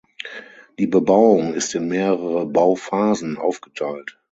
Die Bebauung ist in mehrere Bauphasen aufgeteilt.